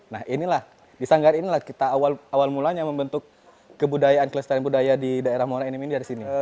nah inilah disanggar inilah kita awal mulanya membentuk kebudayaan kelestarian budaya di daerah moral ini mini dari sini